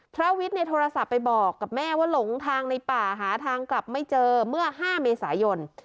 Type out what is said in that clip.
พระวิทย์โทรศัพท์ไปบอกกับแม่ว่าหลงทางในป่าหาทางกลับไม่เจอเมื่อ๕เมษายน